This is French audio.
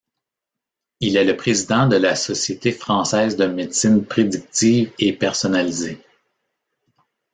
Il est le président de la Société française de médecine prédictive et personnalisée.